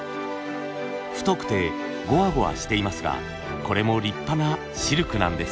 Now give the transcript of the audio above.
太くてゴワゴワしていますがこれも立派なシルクなんです。